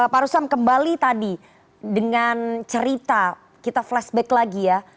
pak rusam kembali tadi dengan cerita kita flashback lagi ya